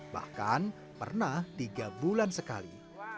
bahkan pernah tiga bulan sekali